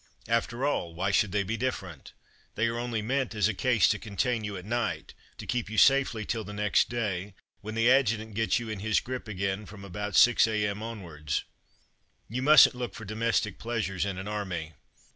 After all, why should they be different.^ They are only meant as a case to contain you at night, to keep you safely till the next day, when the adjutant gets you in his grip again from about 6 A.M. onwards. You mustn't look for domestic pleasures in an army.